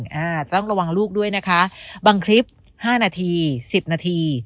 อ่าต้องระวังลูกด้วยนะคะบางคลิปห้านาทีสิบนาที